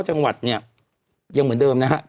จังหวัดเนี่ยยังเหมือนเดิมนะฮะ